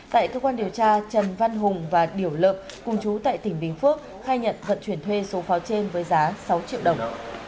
tại cơ quan điều tra trần văn hùng và điểu lợm cùng chú tại tỉnh bình phước khai nhận vận chuyển thuê số pháo trên với giá sáu triệu đồng